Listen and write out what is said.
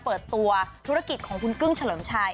เปิดตัวธุรกิจของคุณกึ้งเฉลิมชัย